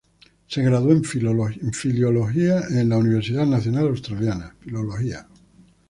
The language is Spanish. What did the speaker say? Se graduó en filología en la Universidad Nacional Australiana.